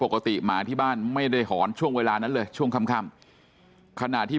หมาที่บ้านไม่ได้หอนช่วงเวลานั้นเลยช่วงค่ำขณะที่